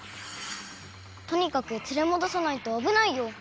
とにかくつれもどさないとあぶないよ。